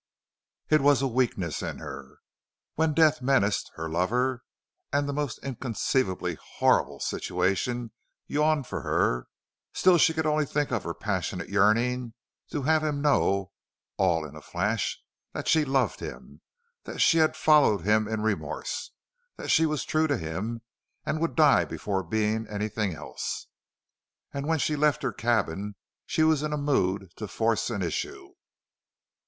It was a weakness in her. When death menaced her lover and the most inconceivably horrible situation yawned for her, still she could only think of her passionate yearning to have him know, all in a flash, that she loved him, that she had followed him in remorse, that she was true to him and would die before being anything else. And when she left her cabin she was in a mood to force an issue.